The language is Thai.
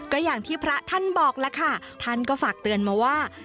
ก็อย่างที่พระท่านบอกแล้วค่ะท่านก็ฝากเตือนมาว่า